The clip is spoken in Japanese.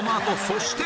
「そして」